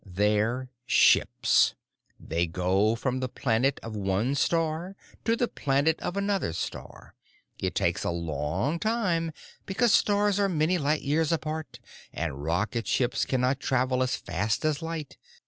They're ships. They go from the planet of one star to the planet of another star. It takes a long time, because stars are many light years apart and rocket ships cannot travel as fast as light.